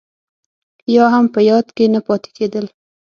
يا هم په ياد کې نه پاتې کېدل.